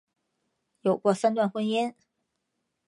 有过三段婚姻。